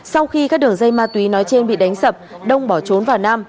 sau khi các đường dây mặt tuy nói trên bị đánh sập đông bỏ trốn vào nam